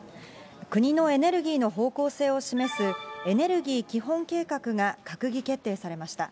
国のエネルギーの方向性を示すエネルギー基本計画が閣議決定されました。